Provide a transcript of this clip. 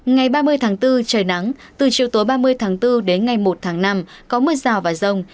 ngày ba mươi tháng bốn trời nắng từ chiều tối ba mươi tháng bốn đến ngày một tháng năm có mưa rào và rông